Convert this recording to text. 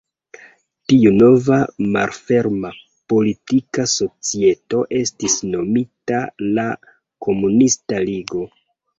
Tiu nova malferma politika societo estis nomita la Komunista Ligo.